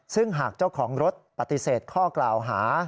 ซึ่งหากเจ้าของรถปฏิเสธข้อกล่าวหา